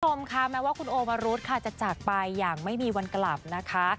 คุณผู้ชมค่ะแม้ว่าคุณโอวรุธค่ะจะจากไปอย่างไม่มีวันกลับนะคะ